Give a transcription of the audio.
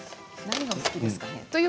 何がお好きですか？